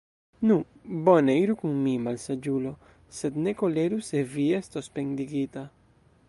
Nu, bone, iru kun mi, malsaĝulo, sed ne koleru, se vi estos pendigita!